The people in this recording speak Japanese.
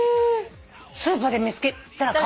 スーパーで見つけたら買おう。